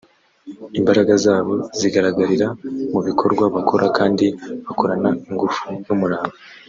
imbaraga zabo zigaragarira mu bikorwa bakora kandi bakorana ingufu n’umurava